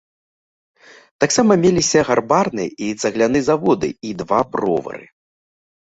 Таксама меліся гарбарны і цагляны заводы і два бровары.